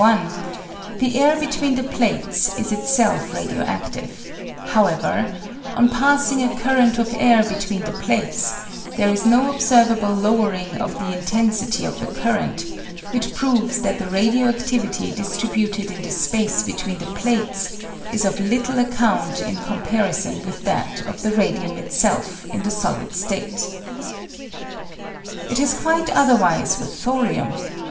I, the air between the plates is itself radioadtive ; however, on passing a current of air between the plates, there is no observable lowering of the intensity of the current, which proves that the radio adtivity distributed in the space between the plates is of little account in com parison with that of the radium itself in the solid state. It is quite otherwise with thorium.